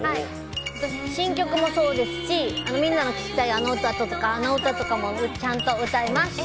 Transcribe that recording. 新曲もそうですしみんなも聴きたいあの歌とか、あの歌とかもちゃんと歌います！